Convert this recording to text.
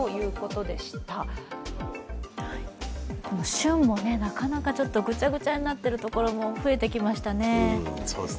旬もなかなかごちゃごちゃになってることが増えてきましたね。